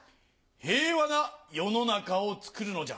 平和な世の中をつくるのじゃ。